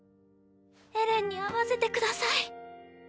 エレンに会わせてください。